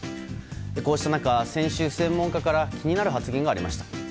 こうした中、先週、専門家から気になる発言がありました。